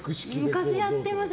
昔やってました。